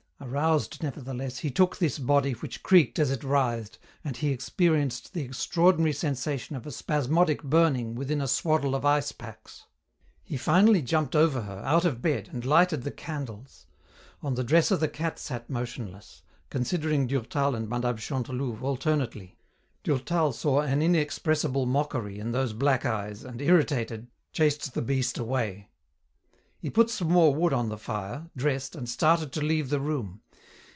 aroused nevertheless, he took this body which creaked as it writhed, and he experienced the extraordinary sensation of a spasmodic burning within a swaddle of ice packs. He finally jumped over her, out of bed, and lighted the candles. On the dresser the cat sat motionless, considering Durtal and Mme. Chantelouve alternately. Durtal saw an inexpressible mockery in those black eyes and, irritated, chased the beast away. He put some more wood on the fire, dressed, and started to leave the room.